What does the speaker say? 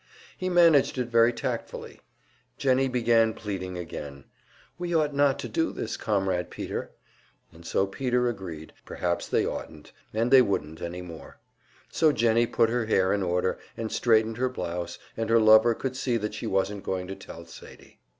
He managed it very tactfully. Jennie began pleading again: "We ought not to do this, Comrade Peter!" And so Peter agreed, perhaps they oughtn't, and they wouldn't any more. So Jennie put her hair in order, and straightened her blouse, and her lover could see that she wasn't going to tell Sadie.